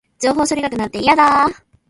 情報処理学会なんて、嫌だー